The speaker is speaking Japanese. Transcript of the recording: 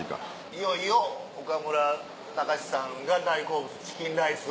いよいよ岡村隆史さんが大好物チキンライスを。